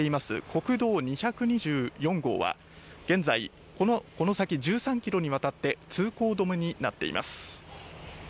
国道２２４号は現在、この先１３ｋｍにわたって通行止めになっています。